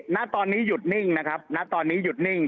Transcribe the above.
ณตอนนี้หยุดนิ่งนะครับณตอนนี้หยุดนิ่ง